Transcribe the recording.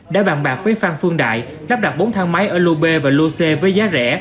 đã bàn bạc với phan phương đại lắp đặt bốn thang máy ở lô b và lô c với giá rẻ